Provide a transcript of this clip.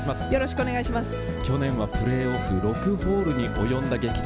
去年はプレーオフ、６ホールに及んだ激闘。